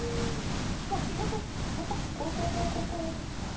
ポトっコロコロコロコロコロ。